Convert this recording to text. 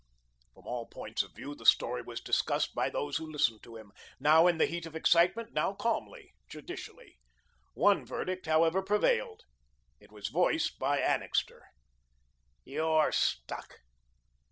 From all points of view, the story was discussed by those who listened to him, now in the heat of excitement, now calmly, judicially. One verdict, however, prevailed. It was voiced by Annixter: "You're stuck.